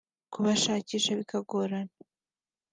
kubashakisha bikagorana